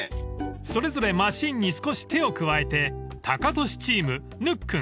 ［それぞれマシンに少し手を加えてタカトシチームぬっくん